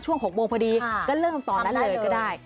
๖โมงพอดีก็เริ่มตอนนั้นเลยก็ได้